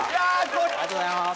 ありがとうございます。